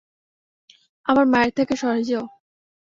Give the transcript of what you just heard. আমার মায়ের থেকে সরে যাও!